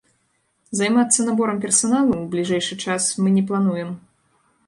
Займацца наборам персаналу ў бліжэйшы час мы не плануем.